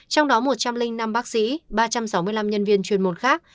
trong đó một trăm linh năm bác sĩ ba trăm sáu mươi năm nhân viên chuyên môn khác